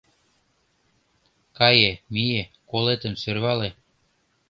«Кае, мие, колетым сӧрвале: